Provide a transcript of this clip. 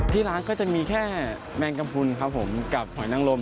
ที่ร้านก็จะมีแค่แมงกระพุนครับผมกับหอยนังลม